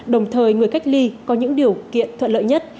đồng thời người cách ly có những điều kiện thuận lợi nhất